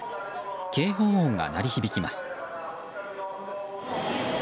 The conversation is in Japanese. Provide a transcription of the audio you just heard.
警報音が鳴り響きます。